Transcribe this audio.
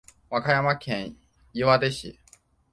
和歌山県岩出市